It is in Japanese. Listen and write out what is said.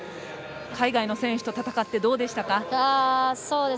海外の選手と戦ってどうでしたか。